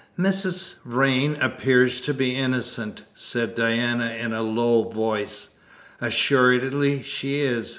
"Mrs. Vrain appears to be innocent," said Diana in a low voice. "Assuredly she is!